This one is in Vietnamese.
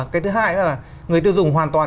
cái thứ hai là người tiêu dùng hoàn toàn